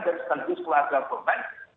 dan setelah itu selalu ada korban